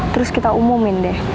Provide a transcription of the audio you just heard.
terus kita umumin deh